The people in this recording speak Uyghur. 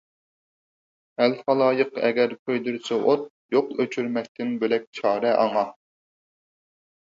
ئەل - خالايىق ئەگەر كۆيدۈرسە ئوت، يوق ئۆچۈرمەكتىن بۆلەك چارە ئاڭا.